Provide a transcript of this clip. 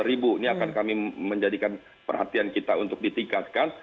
ini akan kami menjadikan perhatian kita untuk ditingkatkan